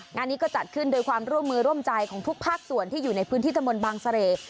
งานนี้ก็จัดขึ้นโดยความร่วมมือร่วมใจของทุกภาคส่วนที่อยู่ในพื้นที่ตะมนต์บางเสร่